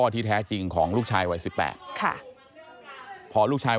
ไอ้แม่ได้เอาแม่ได้เอาแม่